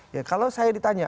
ya kalau saya ditanya